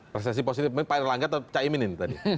prestasi positif maksudnya pak erlangga atau cak iminin tadi